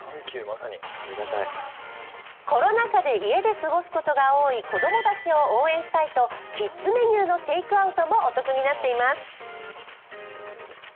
コロナ禍で家で過ごすことが多い子供たちを応援したいとキッズメニューのテークアウトもお得になっています。